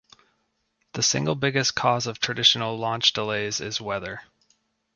The single biggest cause of traditional launch delays is weather.